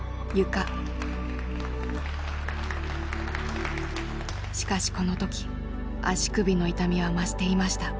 しかしこの時足首の痛みは増していました。